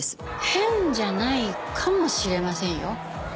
変じゃないかもしれませんよ。